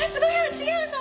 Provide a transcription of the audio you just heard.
重治さん